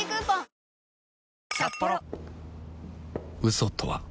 嘘とは